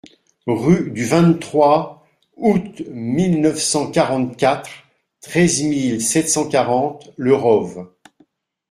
Rue du vingt-trois Aout mille neuf cent quarante-quatre, treize mille sept cent quarante Le Rove